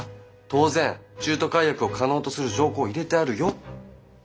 当然中途解約を可能とする条項を入れてあるよ。